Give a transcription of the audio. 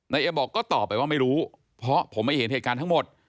เอ็มบอกก็ตอบไปว่าไม่รู้เพราะผมไม่เห็นเหตุการณ์ทั้งหมด